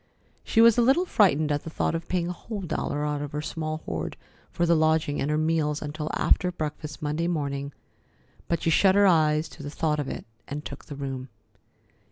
She was a little frightened at the thought of paying a whole dollar out of her small hoard for the lodging and her meals until after breakfast Monday morning, but she shut her eyes to the thought of it and took the room.